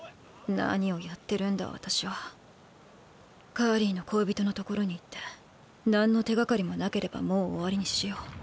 カーリーの恋人のところに行って何の手がかりもなければもう終わりにしよう。